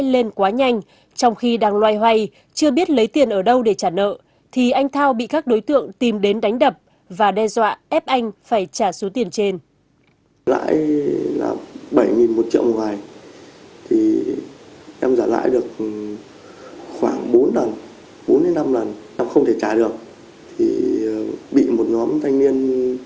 lãi lên quá nhanh trong khi đang loay hoay chưa biết lấy tiền ở đâu để trả nợ thì anh thao bị các đối tượng tìm đến đánh đập và đe dọa ép anh phải trả số tiền trên